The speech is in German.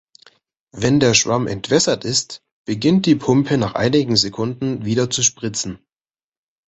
Wenn der Schwamm entwässert ist, beginnt die Pumpe nach einigen Sekunden wieder zu spritzen.